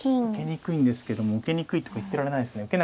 受けにくいんですけども受けにくいとか言ってられないですね。